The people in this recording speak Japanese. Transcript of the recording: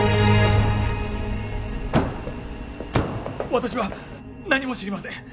私は何も知りません。